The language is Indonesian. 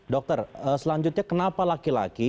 dokter selanjutnya kenapa laki laki